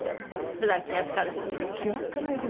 普段気が付かないね。